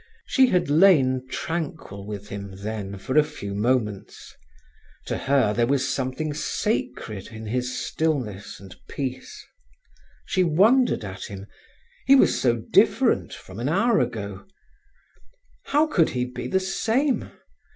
She had lain tranquil with him, then, for a few moments. To her there was something sacred in his stillness and peace. She wondered at him; he was so different from an hour ago. How could he be the same!